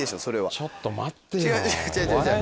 ちょっと待ってよ。